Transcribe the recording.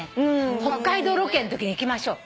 北海道ロケのときに行きましょう。